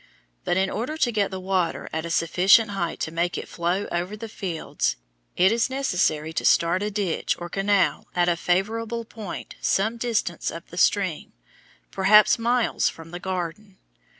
But in order to get the water at a sufficient height to make it flow over the fields, it is necessary to start a ditch or canal at a favorable point some distance up the stream, perhaps miles from the garden.